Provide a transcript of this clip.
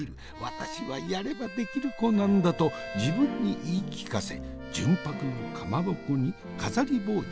私はやればできる子なんだと自分に言い聞かせ純白の蒲鉾に飾り包丁を入れる。